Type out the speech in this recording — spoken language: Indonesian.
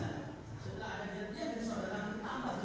ada apa yang ditandakan